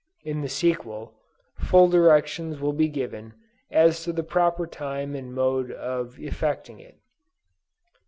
In the sequel, full directions will be given, as to the proper time and mode of effecting it.